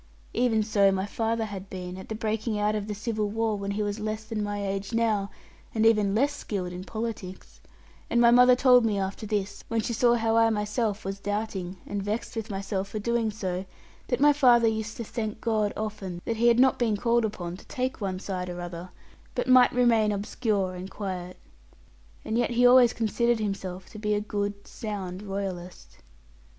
Even so my father had been, at the breaking out of the civil war, when he was less than my age now, and even less skilled in politics; and my mother told me after this, when she saw how I myself was doubting, and vexed with myself for doing so, that my father used to thank God often that he had not been called upon to take one side or other, but might remain obscure and quiet. And yet he always considered himself to be a good, sound Royalist.